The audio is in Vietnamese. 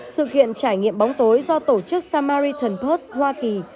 sự kiện trải nghiệm bóng tối do tổ chức samaritan post hoa kỳ